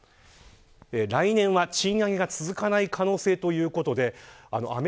来年は賃上げが続かない可能性ということです。